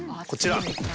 こちら。